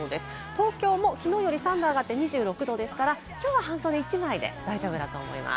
東京もきのうより３度上がって２６度ですから、きょうは半袖１枚で大丈夫だと思います。